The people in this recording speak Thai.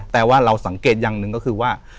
แต่ว่าเราสังเกตอย่างหนึ่งก็คือว่า